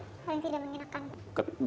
paling tidak mengenakan